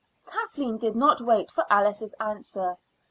Kathleen did not wait for Alice's answer.